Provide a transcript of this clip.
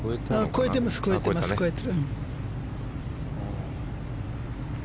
越えてます、越えてます。